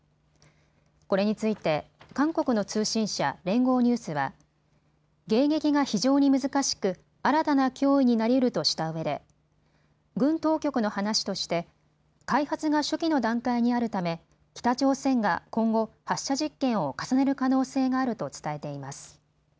これについて韓国の通信社・連合ニュースは迎撃が非常に難しく新たな脅威になり得るとしたうえで軍当局の話として開発が初期の段階にあるため北朝鮮が今後、発射実験を重ねる可能性があると伝えています。